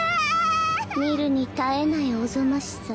見るに堪えないおぞましさ。